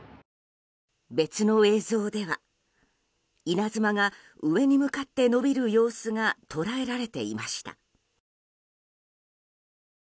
別の映像では稲妻が上に向かって延びる様子が捉えられていました。